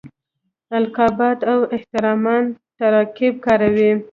القابات او احترامانه تراکیب کارولي.